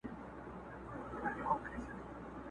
چي نه ساقي، نه میخانه سته زه به چیري ځمه؛